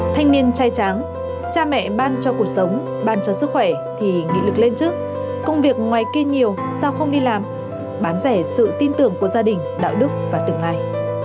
thanh niên trai tráng cha mẹ ban cho cuộc sống ban cho sức khỏe thì nghị lực lên trước công việc ngoài kia nhiều sao không đi làm bán rẻ sự tin tưởng của gia đình đạo đức và tương lai